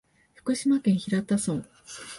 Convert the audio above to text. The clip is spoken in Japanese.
福島県平田村